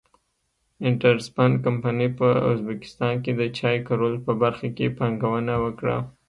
انټرسپن کمپنۍ په ازبکستان کې د چای کرلو په برخه کې پانګونه وکړه.